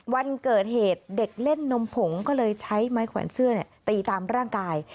วันเกิดเหตุเด็กเล่นนมผงก็เลยใช้ไม้แขวนเสื้อตีตามร่างกาย